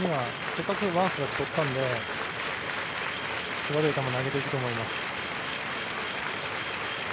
せっかく１ストライク取ったので際どい球を投げていくと思います。